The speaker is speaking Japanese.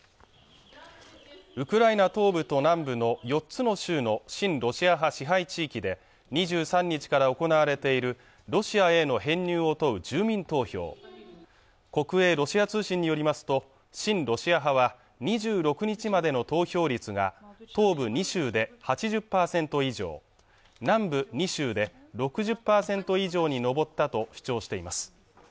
ウクライナ東部と南部の４つの州の親ロシア派支配地域で２３日から行われているロシアへの編入を問う住民投票国営ロシア通信によりますと親ロシア派は２６日までの投票率が東部２州で８０％以上南部２州で６０％以上に上ったと主張しています